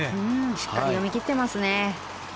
しっかり読み切っていますね。